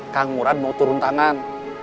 kang murad mau turun tangan